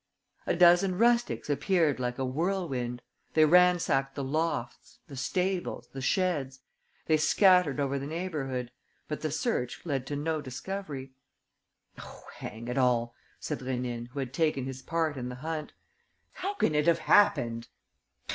A dozen rustics appeared like a whirlwind. They ransacked the lofts, the stables, the sheds. They scattered over the neighbourhood. But the search led to no discovery. "Oh, hang it all!" said Rénine, who had taken his part in the hunt. "How can it have happened?"